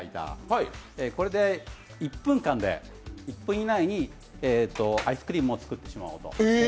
これで１分間で、１分以内にアイスクリームを作ってしまおうと。